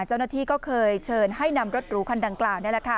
เจ้าหน้าที่ก็เคยเชิญให้นำรถหรูคันดังกล่าว